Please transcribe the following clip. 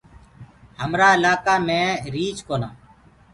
همرآ اِلآئيڪآ مينٚ ريٚڇ ڪونآ۔